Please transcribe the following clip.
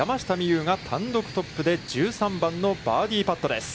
有が単独トップで１３番のバーディーパットです。